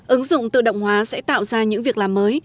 ứng dụng tự động hóa sẽ tạo ra những việc làm mới